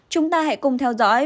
chúng ta hãy cùng theo dõi